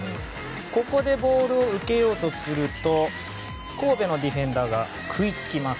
ここでボールを受けようとすると神戸のディフェンダーが食いつきます。